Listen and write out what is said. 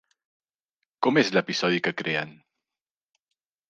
Com és l'episodi que creen?